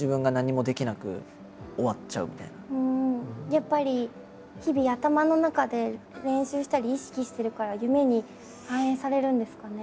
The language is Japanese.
やっぱり日々頭の中で練習したり意識してるから夢に反映されるんですかね？